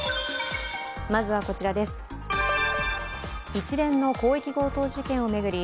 一連の広域強盗事件を巡り